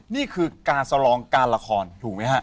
นี่คือการสลองการละครถูกไหมฮะ